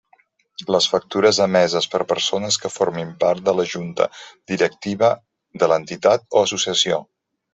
Les factures emeses per persones que formin part de la Junta directiva de l'entitat o associació.